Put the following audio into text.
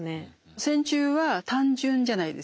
線虫は単純じゃないですか。